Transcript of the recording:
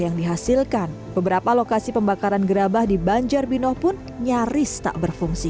yang dihasilkan beberapa lokasi pembakaran gerabah di banjarbino pun nyaris tak berfungsi